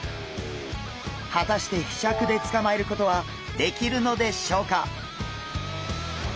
果たしてひしゃくでつかまえることはできるのでしょうか？